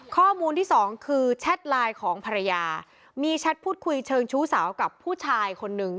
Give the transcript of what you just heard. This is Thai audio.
ข้อมูลที่สองคือแชทไลน์ของภรรยามีแชทพูดคุยเชิงชู้สาวกับผู้ชายคนหนึ่ง